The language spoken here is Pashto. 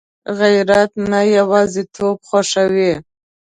غیرت نه یوازېتوب خوښوي